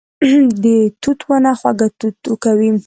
د توت ونه خواږه توت کوي